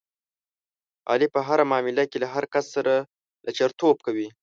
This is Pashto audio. علي په هره معامله کې له هر کس سره لچرتوب کوي.